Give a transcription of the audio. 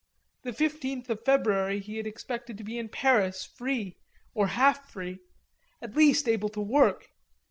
The fifteenth of February, he had expected to be in Paris, free, or half free; at least able to work.